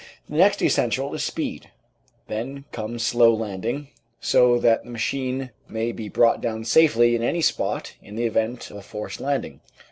The next essential is speed; then comes slow landing, so that the machine may be brought down safely at any spot in the event of a forced landing.